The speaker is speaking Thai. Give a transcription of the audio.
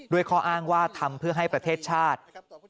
ข้ออ้างว่าทำเพื่อให้ประเทศชาติ